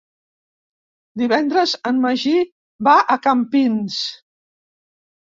Divendres en Magí va a Campins.